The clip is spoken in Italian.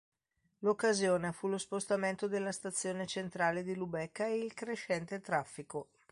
L'occasione fu lo spostamento della Stazione Centrale di Lubecca e il crescente traffico.